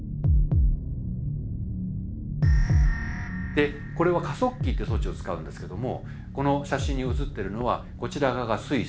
でこれは加速器って装置を使うんですけどもこの写真に写ってるのはこちら側がスイス